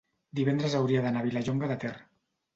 divendres hauria d'anar a Vilallonga de Ter.